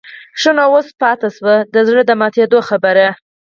ښه نو اوس پاتې شوه د زړه د ماتېدو خبره.